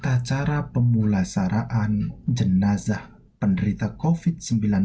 acara pemulasaraan jenazah penderita covid sembilan belas